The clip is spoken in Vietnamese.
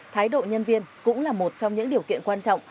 thái độ nhân viên cũng là một trong những điều kiện quan trọng